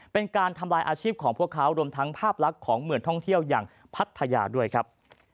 เป็นการทำลายอาชีพของพวกเขารวมทั้งภาพลักษณ์ของเมืองท่องเที่ยวอย่างพัทยาด้วยครับ